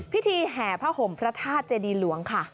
แห่ผ้าห่มพระธาตุเจดีหลวงค่ะ